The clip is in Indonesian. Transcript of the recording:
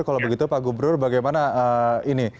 kalau begitu pak gubernur bagaimana ini